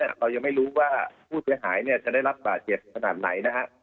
เรายังไม่รู้ว่าผู้เสียหายจะได้รับบาดเจ็บขนาดไหนนะฮะ